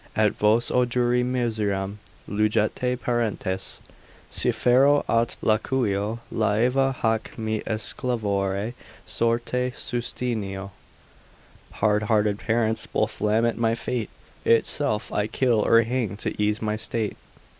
At vos o duri miseram lugete parentes, Si ferro aut laqueo laeva hac me exsolvere sorte Sustineo:——— Hard hearted parents both lament my fate, If self I kill or hang, to ease my state.